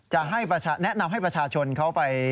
จะให้แนะนำให้ประชาชนเขาไป